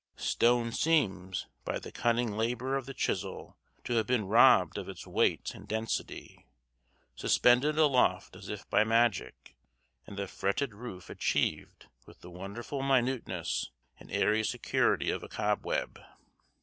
Stone seems, by the cunning labor of the chisel, to have been robbed of its weight and density, suspended aloft as if by magic, and the fretted roof achieved with the wonderful minuteness and airy security of a cobweb.